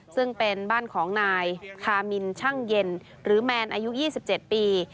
ซึ่งเป็นบ้านของนายคามินช่างเย็นหรือแมนอายุ๒๗ปี